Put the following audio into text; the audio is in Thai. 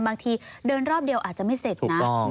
บางทีเดินรอบเดียวอาจจะไม่เสร็จนะ